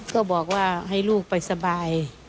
ก็บอกว่าให้ลูกไปสบาย